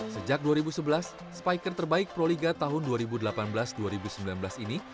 sejak dua ribu sebelas spiker terbaik proliga tahun dua ribu delapan belas dua ribu sembilan belas ini